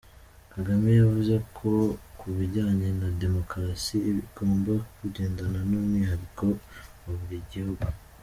Kagame yavuze ko ku bijyanye na demokarasi, igomba kugendana n’umwihariko wa buri gihugu.